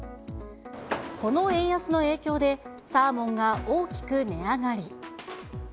この円安の影響で、サーモンが大きく値上がり。